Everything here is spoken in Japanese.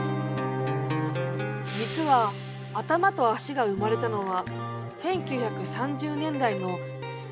実は「頭と足」が生まれたのは１９３０年代のスペイン内戦の時。